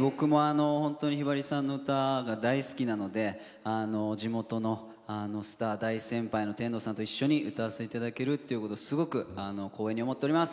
僕もひばりさんの歌が大好きなので地元のスター、大先輩の天童さんと歌わせていただけるということですごく光栄に思っております。